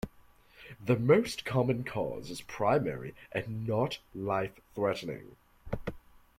The most common cause is primary and not life-threatening.